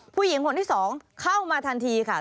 ผู้หญิงคนที่๒เข้ามาทันทีค่ะ